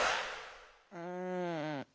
うん。